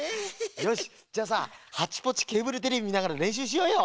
よしじゃあさハッチポッチケーブルテレビみながられんしゅうしようよ。